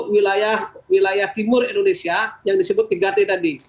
wilayah wilayah timur indonesia yang disebut tiga t tadi